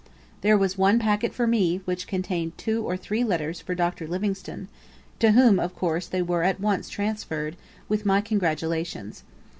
There was one packet for me, which contained two or three letters for Dr. Livingstone, to whom, of course, they were at once transferred, with my congratulations.